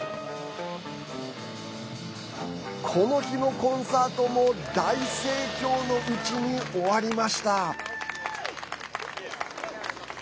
この日のコンサートも大盛況のうちに終わりました。